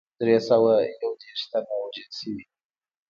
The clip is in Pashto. دری سوه یو دېرش تنه وژل شوي.